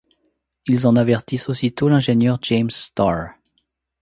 Ils en avertissent aussitôt l'ingénieur James Starr.